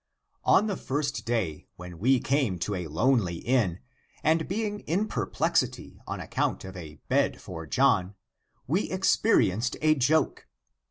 On the first day when we ^ came to a lonely inn and being in perplexity on account of a bed for John, we experienced a joke.